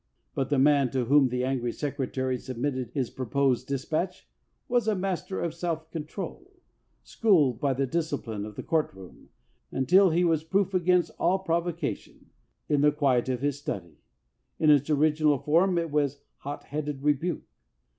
But the man to whom the angry Secretary sub mitted his proposed despatch was a master of self control, schooled by the discipline of the court room until he was proof against all prov ocation, and he calmly redrafted the instru ment, in the quiet of his study. In its original form it was a hot headed rebuke.